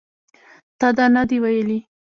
تا دا نه دي ویلي